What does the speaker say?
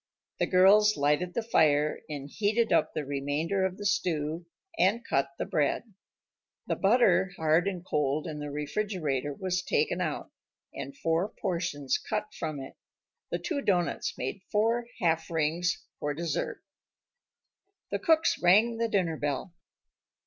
The girls lighted the fire and heated up the remainder of the stew and cut the bread. The butter, hard and cold in the refrigerator, was taken out, and four portions cut from it. The two doughnuts made four half rings for dessert. The cooks rang the dinner bell.